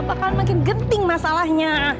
bakalan makin genting masalahnya